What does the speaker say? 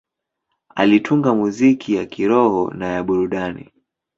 Alitunga muziki ya kiroho na ya burudani.